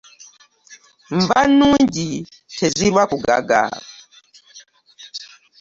Nva nnyingi tezirwa kugaga .